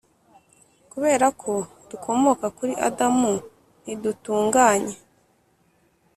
Kubera ko dukomoka kuri Adamu, ntidutunganye